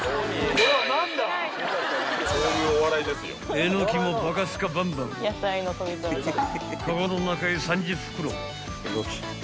［えのきもバカスカバンバンカゴの中へ３０袋］